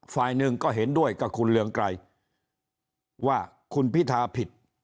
ฝ่ายหนึ่งก็เห็นด้วยกับคุณเรืองไกรว่าคุณพิธาผิด